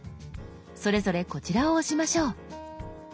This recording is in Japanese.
それぞれこちらを押しましょう。